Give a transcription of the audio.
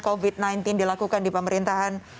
covid sembilan belas dilakukan di pemerintahan